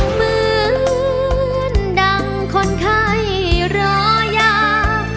เหมือนดังคนไข้รออยาก